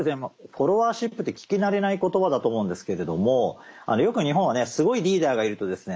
フォロワーシップって聞き慣れない言葉だと思うんですけれどもよく日本はねすごいリーダーがいるとですね